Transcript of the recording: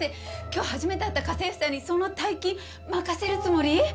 今日初めて会った家政婦さんにそんな大金任せるつもり？